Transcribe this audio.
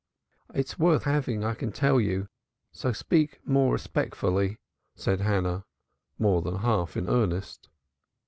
"It's worth having, I can tell you, so speak more respectfully," said Hannah, more than half in earnest.